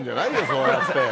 そうやって。